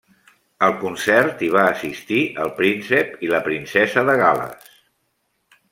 Al concert hi va assistir el Príncep i la Princesa de Gal·les.